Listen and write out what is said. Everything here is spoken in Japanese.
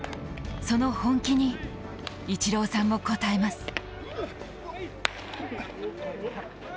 その本気に、イチローさんも応えます。